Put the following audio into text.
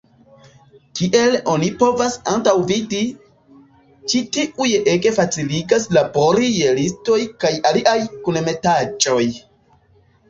Kiel oni povas antaŭvidi, ĉi tiuj ege faciligas labori je listoj kaj aliaj kunmetaĵoj.